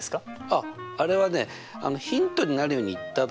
あっあれはねヒントになるように言っただけで。